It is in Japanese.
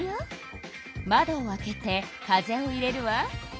窓を開けて風を入れるわ。